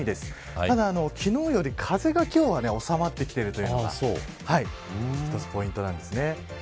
ただ、昨日より風が今日が収まっているのが一つ、ポイントなんです。